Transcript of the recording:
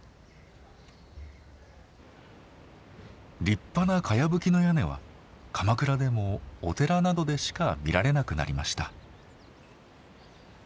立派なかやぶきの屋根は鎌倉でもお寺などでしか見られなくなりました。